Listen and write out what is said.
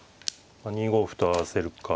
２五歩と合わせるか。